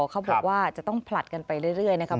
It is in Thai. เขาบอกว่าจะต้องผลัดกันไปเรื่อยนะครับ